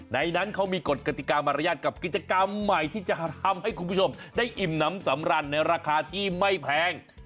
ในนั้นเขามีกฎกติกามารยาทกับกิจกรรมใหม่ที่จะทำให้คุณผู้ชมได้อิ่มน้ำสำรันในราคาที่ไม่แพง